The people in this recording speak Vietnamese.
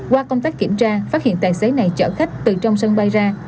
qua công tác kiểm tra phát hiện tài xế này chở khách từ trong sân bay ra